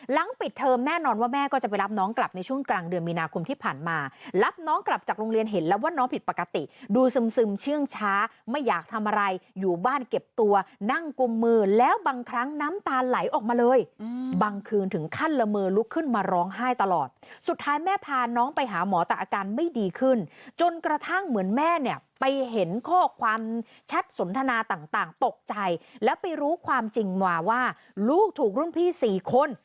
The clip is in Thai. หลังปิดเทอมแน่นอนว่าแม่ก็จะไปรับน้องกลับในช่วงกลางเดือนมีนาคมที่ผ่านมารับน้องกลับจากโรงเรียนเห็นแล้วว่าน้องผิดปกติดูซึมซึมเชื่องช้าไม่อยากทำอะไรอยู่บ้านเก็บตัวนั่งกุมมือแล้วบางครั้งน้ำตาไหลออกมาเลยบางคืนถึงขั้นละเมอลุกขึ้นมาร้องไห้ตลอดสุดท้ายแม่พาน้องไปหาหมอแต่อาการไม่ดีข